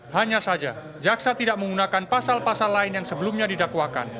hanya saja jaksa tidak menggunakan pasal pasal lain yang sebelumnya didakwakan